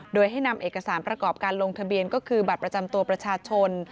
โดยให้นำเอกสารประกอบการลงทะเบียนก็คือบัตรประจำตัวประชาชน